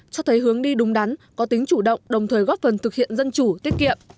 cho thấy hướng đi đúng đắn có tính chủ động đồng thời góp phần thực hiện dân chủ tiết kiệm